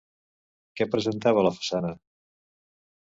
Què presentava la façana?